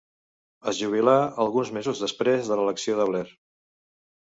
Es jubilà alguns mesos després de l'elecció de Blair.